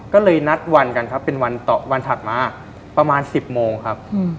ก็เลยนัดวันกันครับเป็นวันต่อวันถัดมาประมาณ๑๐โมงครับ